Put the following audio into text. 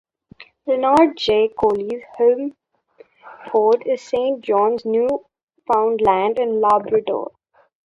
"Leonard J. Cowley"s home port is Saint John's, Newfoundland and Labrador.